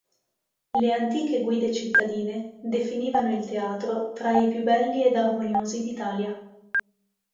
Le antiche guide cittadine definivano il teatro tra i più belli ed armoniosi d'Italia.